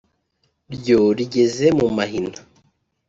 ryo rigeze mu mahina